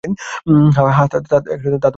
হ্যাঁ, তা তো বটেই।